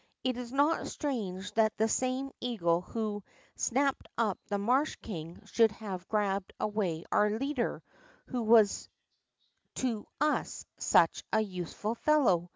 Is it not strange that the same eagle who snapped np the marsh king shonld have grabbed away onr leader, who was to ns such a nsefnl fellow?